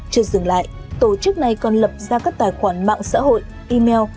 chưa dừng lại tổ chức này còn lập ra các tài khoản mạng xã hội email